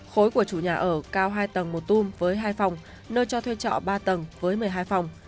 khối của chủ nhà ở cao hai tầng một tung với hai phòng nơi cho thuê trọ ba tầng với một mươi hai phòng